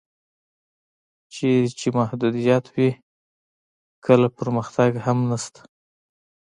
چېرته چې محدودیت وي کله پرمختګ هم نشته.